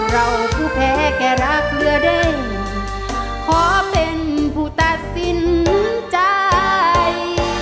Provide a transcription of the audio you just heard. เราผู้แพ้แก่รักเหลือเด้งขอเป็นผู้ตัดสินใจ